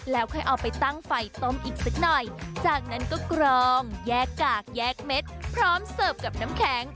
แล้วค่อยเอาไปตั้งไฟต้มอีกสักหน่อยจากนั้นก็กรองแยกกากแยกเม็ดพร้อมเสิร์ฟกับน้ำแข็ง